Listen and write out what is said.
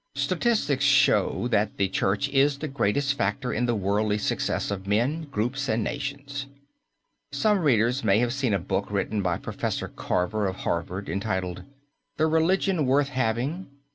Statistics show that the Church is the greatest factor in the worldly success of men, groups and nations. Some readers may have seen a book written by Professor Carver of Harvard entitled, "The Religion Worth Having."